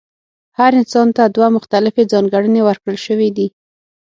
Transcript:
هر انسان ته دوه مختلفې ځانګړنې ورکړل شوې دي.